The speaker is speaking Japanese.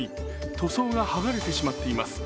塗装が剥がれてしまっています。